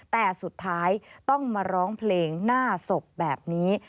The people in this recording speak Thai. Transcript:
แต่สุดท้ายต้องมาร้องเพลงหน้าศพแบบนี้